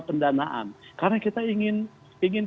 pendanaan karena kita ingin